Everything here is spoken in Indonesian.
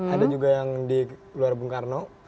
ada juga yang di luar bung karno